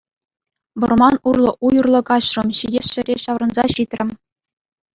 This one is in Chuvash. Вӑрман урлӑ, уй урлӑ каҫрӑм, ҫитес ҫӗре ҫаврӑнса ҫитрӗм.